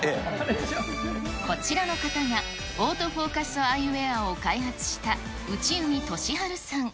こちらの方が、オートフォーカスアイウエアを開発した、内海俊晴さん。